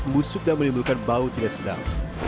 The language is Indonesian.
membusuk dan menimbulkan bau cilis sedang